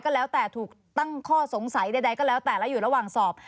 แล้วแต่ถูกตั้งข้อสงสัยใดก็แล้วแต่และอยู่ระหว่างสอบ